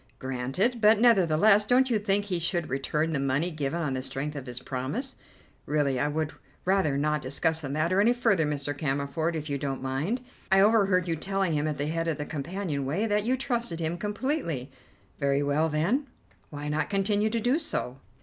"Granted. But nevertheless, don't you think he should return the money given on the strength of his promise?" "Really I would rather not discuss the matter any further, Mr. Cammerford, if you don't mind. I overheard you telling him at the head of the companion way that you trusted him completely. Very well, then, why not continue to do so?"